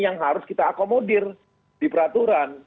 yang harus kita akomodir di peraturan